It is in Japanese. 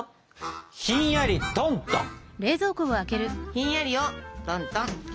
ひんやりをトントン。